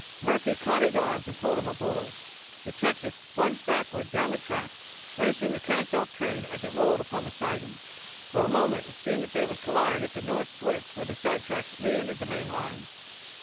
Murphy caught his arms and pulled him aboard. The Texas plunged backward down the track, racing the cast off train as it rolled upon the siding. For a moment it seemed that they would collide at the north switch where the side track re entered the main line.